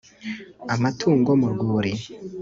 amatungo mu rwuli